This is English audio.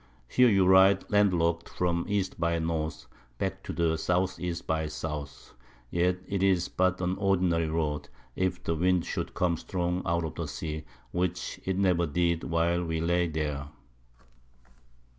Here you ride land lockt from E. by N. back to the S. E. by S. yet it is but an ordinary Road, if the Wind should come strong out of the Sea, which it never did while we lay there.